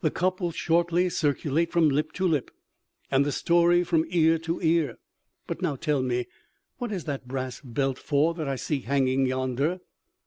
The cup will shortly circulate from lip to lip, and the story from ear to ear.... But now tell me, what is that brass belt for that I see hanging yonder?"